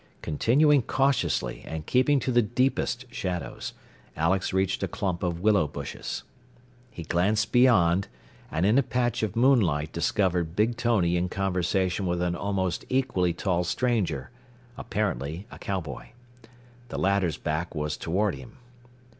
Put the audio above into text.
Continuing cautiously, and keeping to the deepest shadows, Alex reached a clump of willow bushes. He glanced beyond, and in a patch of moonlight discovered Big Tony in conversation with an almost equally tall stranger, apparently a cowboy. The latter's back was toward him.